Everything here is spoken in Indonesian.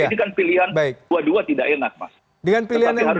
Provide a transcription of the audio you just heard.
ini kan pilihan dua dua tidak enak mas